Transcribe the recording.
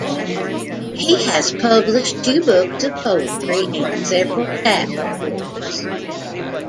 He has published two books of poetry and several chapbooks.